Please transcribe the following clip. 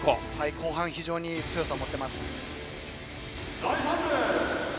後半、非常に強さを持っています。